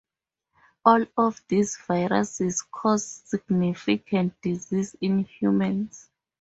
All of these viruses cause significant disease in humans.